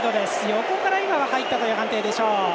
横から入ったという判定でしょう。